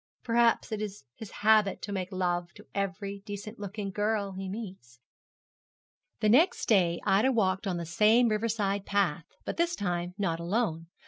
Perhaps it is his habit to make love to every decent looking girl he meets.' The next day Ida walked on the same riverside path, but this time not alone.